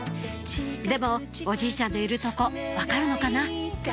でもおじいちゃんのいるとこ分かるのかな？